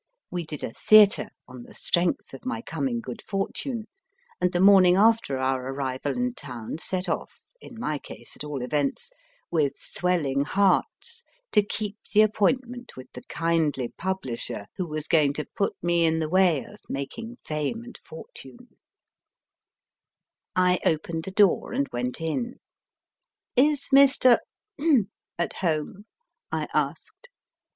We did a theatre on the strength of my coming good fortune, and the morning after our arrival in town set off in my case, at all events with swelling hearts, to keep the appointment with the kindly publisher who was going to put me in the way of making fame and fortune. JOHN STRANGE WINTER 247 I opened the door and went in. Is Mr. at home ? I asked.